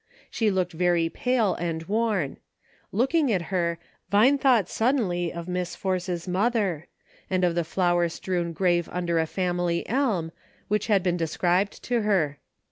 She looked very 276 A " PROVIDENCE." pale and worn ; looking at her, Vine thought sud denly of Miss Force's mother ; and of the flower strewn grave under a family elm, which had been described to her.